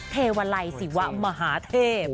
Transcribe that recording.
เทวาลัยศิวะมหาเทพ